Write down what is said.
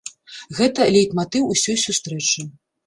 Гэта лейтматыў усёй сустрэчы.